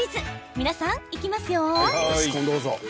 皆さん、いきますよ。